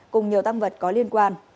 cùng nhiều tăng vật có liên quan